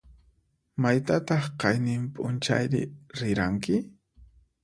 Maytataq qayninp'unchayri riranki?